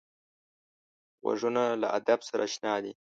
غوږونه له ادب سره اشنا دي